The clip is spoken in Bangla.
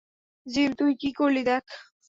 জিম, তুই কি করলি দেখ!